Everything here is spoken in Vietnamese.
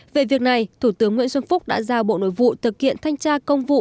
về việc này thủ tướng nguyễn xuân phúc đã giao bộ nội vụ thực hiện thanh tra công vụ